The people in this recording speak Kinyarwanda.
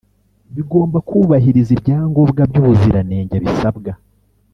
bigomba kubahiriza ibyangombwa by’ubuziranenge bisabwa